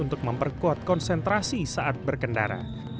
untuk memperkuat konsentrasi saat berkendara